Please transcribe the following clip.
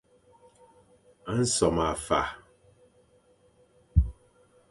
Nsome a fa.